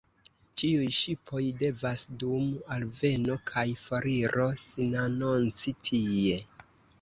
Ĉiuj ŝipoj devas dum alveno kaj foriro sinanonci tie.